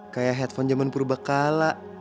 kayak headphone zaman purba kala